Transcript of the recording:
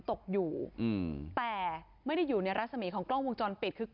ตอนนี้กำลังจะโดดเนี่ยตอนนี้กำลังจะโดดเนี่ย